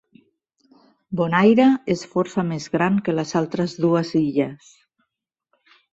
Bonaire és força més gran que les altres dues illes.